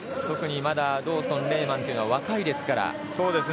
特にまだドーソンレーマンというのは若いですから。